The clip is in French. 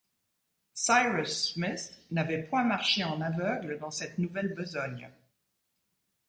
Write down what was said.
Cyrus Smith n’avait point marché en aveugle dans cette nouvelle besogne.